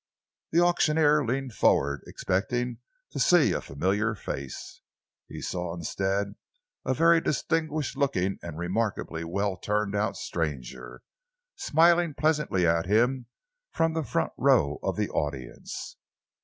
The auctioneer leaned forward, expecting to see a familiar face. He saw instead a very distinguished looking and remarkably well turned out stranger, smiling pleasantly at him from the front row of the audience.